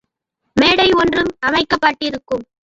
மேடை ஒன்றும் அமைக்கப்பட்டிருக்கும்.